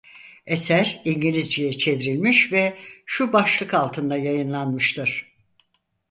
Eser İngilizceye çevrilmiş ve şu başlık altında yayınlanmıştır: